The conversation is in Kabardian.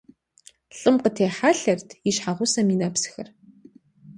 Лӏым къытехьэлъэрт и щхьэгъусэм и нэпсхэр.